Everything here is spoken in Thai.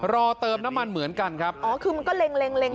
เติมน้ำมันเหมือนกันครับอ๋อคือมันก็เล็งเล็ง